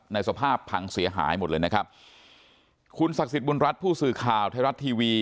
สภาพพังเสียหายหมดเลยนะครับคุณศักดิ์สิทธิบุญรัฐผู้สื่อข่าวไทยรัฐทีวี